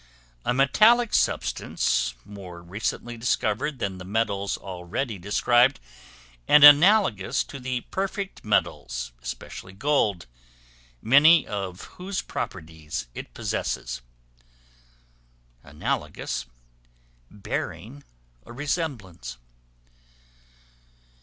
A metallic substance, more recently discovered than the metals already described; and analogous to the perfect metals, especially gold, many of whose properties it possesses. Analogous, bearing a resemblance.